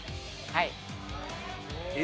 はい。